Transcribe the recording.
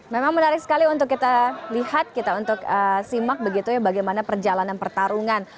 memang menarik sekali untuk kita lihat kita untuk simak begitu ya bagaimana perjalanan pertarungan